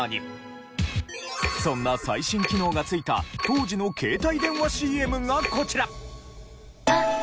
そんな最新機能が付いた当時の携帯電話ＣＭがこちら。